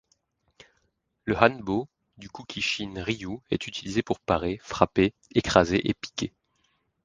Le hanbō du Kukishin Ryū est utilisé pour parer, frapper, écraser et piquer.